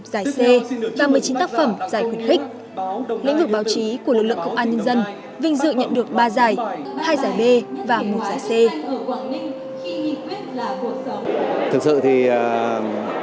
giải c và một mươi chín tác phẩm giải khuyến khích lĩnh vực báo chí của lực lượng công an